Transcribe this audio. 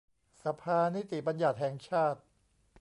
สภานิติบัญญติแห่งชาติ